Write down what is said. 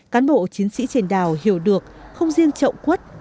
cán bộ chiến sĩ trên đảo hiểu được không riêng trộm quất